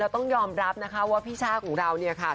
ต้องยอมรับว่าพี่ชาของเรา